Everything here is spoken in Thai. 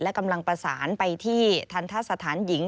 และกำลังประสานไปที่ทันทะสถานหญิง